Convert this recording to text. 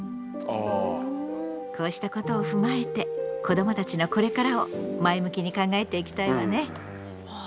こうしたことを踏まえて子どもたちのこれからを前向きに考えていきたいわね。